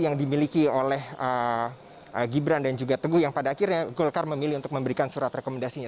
yang dimiliki oleh gibran dan juga teguh yang pada akhirnya golkar memilih untuk memberikan surat rekomendasinya